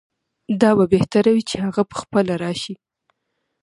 دا به بهتره وي چې هغه پخپله راشي.